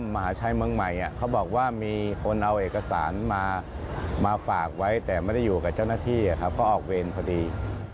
มาฝากไว้แต่ไม่ได้อยู่กับเจ้าหน้าที่ก็ออกเวรพอดี